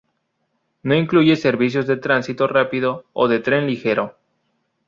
No incluye servicios de tránsito rápido o de tren ligero.